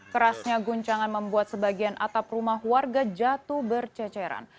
kerasnya guncangan membuat sebagian atap rumah warga jatuh berceceran